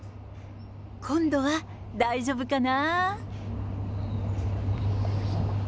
今度は大丈夫かな？